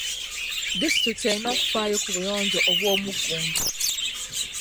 Disitulikiti erina okufaayo ku buyonjo obw'omugundu.